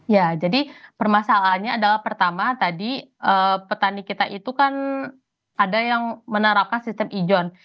ya jadi permasalahannya adalah pertama tadi petani kita itu kan ada yang menerapkan sistem ijon